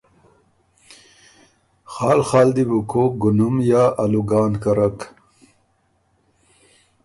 خال خال دی بو کوک ګُنُم یا آلوګان کرک۔